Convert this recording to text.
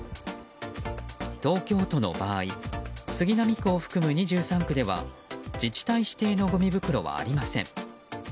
東京都の場合杉並区を含む２３区では自治体指定のごみ袋はありません。